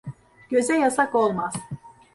Göze yasak olmaz.